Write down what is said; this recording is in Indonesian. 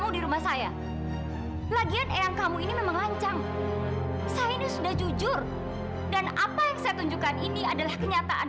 dan apa yang saya tunjukkan ini adalah kenyataan